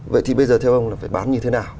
vậy thì bây giờ theo ông là phải bán như thế nào